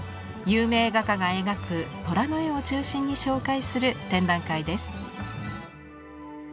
有名画家が描く虎の絵を中心に紹介する展覧会です。